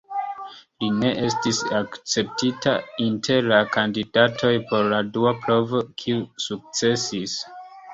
Li ne estis akceptita inter la kandidatoj por la dua provo, kiu sukcesis.